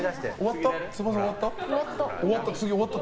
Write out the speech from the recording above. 翼終わった？